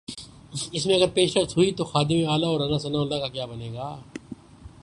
اس میں اگر پیش رفت ہوئی تو خادم اعلی اور رانا ثناء اللہ کا کیا بنے گا؟